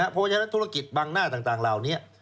เพราะฉะนั้นธุรกิจบางหน้าต่างเหล่านี้